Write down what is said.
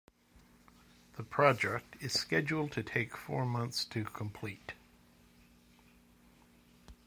The project is scheduled to take four months to complete.